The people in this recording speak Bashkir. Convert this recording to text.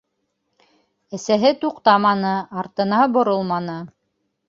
- Әсәһе туҡтаманы, артына боролманы.